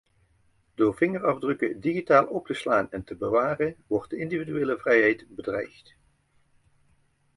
Door vingerafdrukken digitaal op te slaan en te bewaren wordt de individuele vrijheid bedreigd.